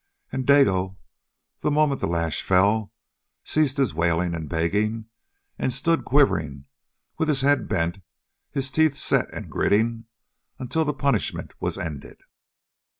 And Dago, the moment the lash fell, ceased his wailing and begging, and stood quivering, with his head bent, his teeth set and gritting, until the punishment was ended.